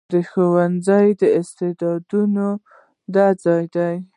ښوونځی د استعدادونو د ودې ځای دی.